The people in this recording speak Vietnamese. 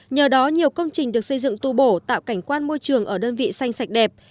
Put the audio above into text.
nhờ đó nhiều công trình được xây dựng tu bổ tạo cảnh quan môi trường ở đơn vị xanh sạch đẹp